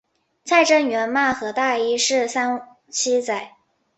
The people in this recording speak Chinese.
蔡正元骂何大一是三七仔。